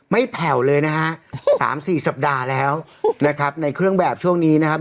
ไม่แผลวเลยนะฮะ๓๔สัปดาห์แล้วในเครื่องแบบช่วงนี้นะครับ